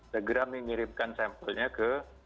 segera mengirimkan sampel nya ke